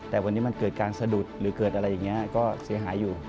แต่วันนี้มันเกิดการสะดุดหรือเกิดอะไรอย่างนี้ก็เสียหายอยู่